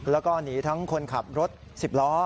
แล้วก็หนีทั้งคนขับรถ๑๐ล้อ